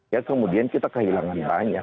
ya kemudian kita kehilangan banyak